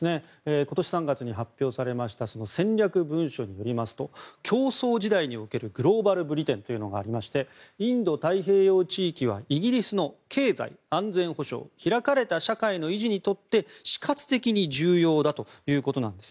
今年３月に発表されました戦略文書によりますと競争時代におけるグローバル・ブリテンというのがありましてインド太平洋地域はイギリスの経済、安全保障開かれた社会の維持にとって死活的に重要だということです。